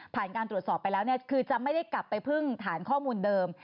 การตรวจสอบไปแล้วคือจะไม่ได้กลับไปพึ่งฐานข้อมูลเดิม